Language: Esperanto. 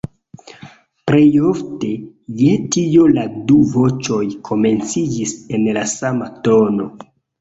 Plejofte je tio la du voĉoj komenciĝis en la sama tono.